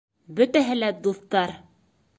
Бөтәһе лә дуҫтар!..